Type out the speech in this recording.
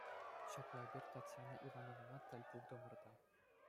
Ҫапла эпир Татьяна Ивановнӑна тӗл пултӑмӑр та.